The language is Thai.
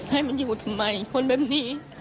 ให้มันอยู่ทำไมคนแบบนี้